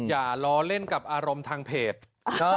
อย่าล้อเล่นกับอารมณ์ทางเพจ